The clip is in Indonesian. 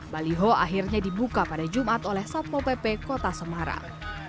baliho akhirnya dibuka pada jumat oleh satmo pp kota semarang